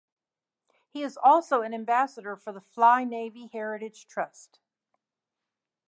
He is also an Ambassador for the Fly Navy Heritage Trust.